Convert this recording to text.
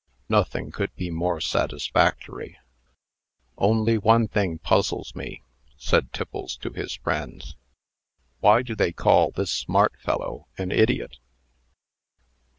Nothing could be more satisfactory. "Only one thing puzzles me," said Tiffles to his friends. "Why do they call this smart fellow an idiot?"